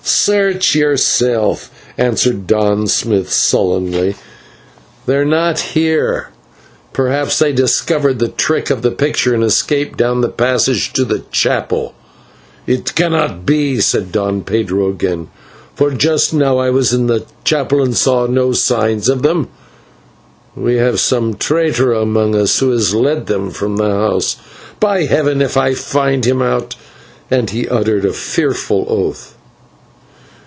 "Search yourself," answered Don Smith sullenly, "they are not here. Perhaps they discovered the trick of the picture and escaped down the passages to the chapel." "It cannot be," said Don Pedro again, "for just now I was in the chapel and saw no signs of them. We have some traitor among us who has led them from the house; by Heaven, if I find him out " and he uttered a fearful oath.